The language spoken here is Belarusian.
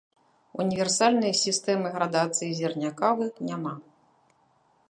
Універсальнай сістэмы градацыі зерня кавы няма.